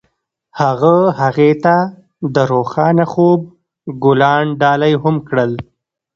هغه هغې ته د روښانه خوب ګلان ډالۍ هم کړل.